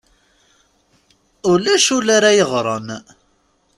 Ulac ul ara yeɣren.